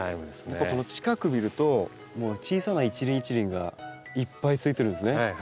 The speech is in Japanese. やっぱこの近く見ると小さな一輪一輪がいっぱいついてるんですね。